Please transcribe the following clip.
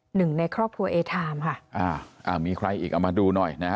หนึ่งในครอบครัวเอทามค่ะอ่าอ่ามีใครอีกเอามาดูหน่อยนะฮะ